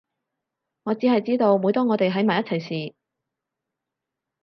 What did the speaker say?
我只係知道每當我哋喺埋一齊時